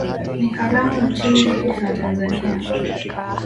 Ni haramu nchini Kenya na Tanzania